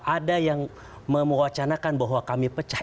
ada yang mewacanakan bahwa kami pecah